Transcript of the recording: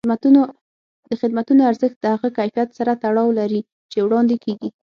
د خدمتونو ارزښت د هغه کیفیت سره تړاو لري چې وړاندې کېږي.